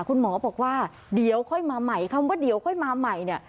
คุณหมอบอกว่าเดี๋ยวค่อยมาใหม่คำว่าเดี๋ยวค่อยมาใหม่เนี่ย